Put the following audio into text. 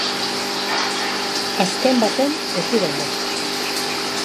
Azken baten, ez dira hainbeste.